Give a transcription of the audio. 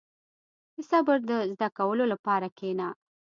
• د صبر د زده کولو لپاره کښېنه.